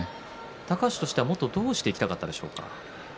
高橋としてはどうしていきたかったでしょうか。